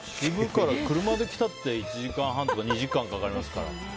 車で来たって１時間半とか２時間かかりますから。